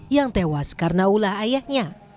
yang tewas karena ulah ayahnya